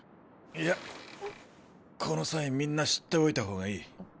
いやこの際みんな知っておいた方がいい。